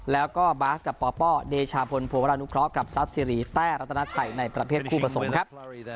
แล้วก็บาสกับปปเดชาพลโพรานุครอฟกับซับซีรีแต้รัตนาไฉในประเภทคู่ประสงค์ครับ